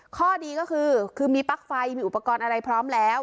ข้อดีก็คือคือมีปลั๊กไฟมีอุปกรณ์อะไรพร้อมแล้ว